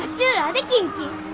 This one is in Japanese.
できんき！